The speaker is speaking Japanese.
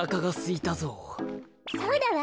そうだわ。